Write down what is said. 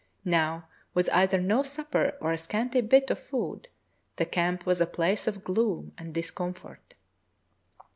Now, with either no supper or a scanty bit of food, the camp was a place of gloom and discomfort.